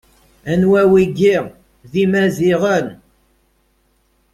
Anwa wigi: D Imaziɣen.